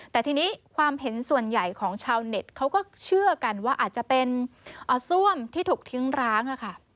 แต่ทีนี้ความเห็นส่วนใหญ่ของชาวเน็ตเขาก็เชื่อกันว่าอาจจะเป็นซ่วมที่ถูกทิ้งร้าง